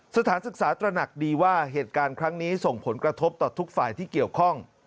สถานศึกษาตระหนักดีว่าเหตุการณ์ครั้งนี้ส่งผลกระทบต่อทุกฝ่ายที่เกี่ยวข้อง